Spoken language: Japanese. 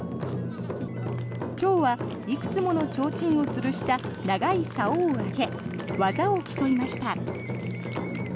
今日はいくつものちょうちんをつるした長いさおを上げ技を競いました。